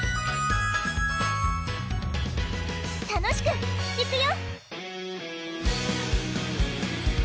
楽しくいくよ！